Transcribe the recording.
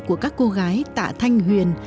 của các cô gái tạ thanh huyền